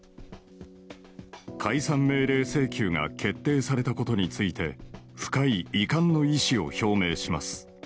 解散命令請求が決定されたことについて、深い遺憾の意思を表明します。